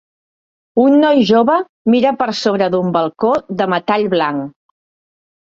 Un noi jove mira per sobre d'un balcó de metall blanc.